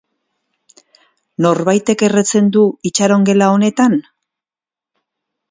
Norbaitek erretzen du itxarongela honetan?